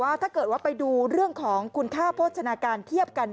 ถ้าเกิดว่าไปดูเรื่องของคุณค่าโภชนาการเทียบกัน